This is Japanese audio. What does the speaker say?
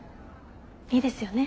いいですよね？